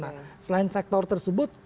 nah selain sektor tersebut